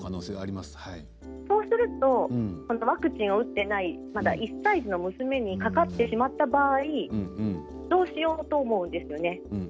そうするとワクチンを打っていない１歳児の娘がかかってしまった場合どうしようと思うんですね。